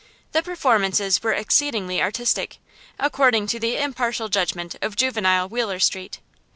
The performances were exceedingly artistic, according to the impartial judgment of juvenile Wheeler Street.